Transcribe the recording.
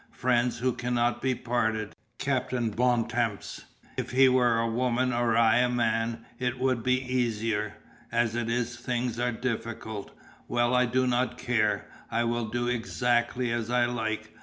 Friends who cannot be parted, Captain Bontemps. If he were a woman or I a man it would be easier. As it is things are difficult. Well, I do not care. I will do exactly as I like.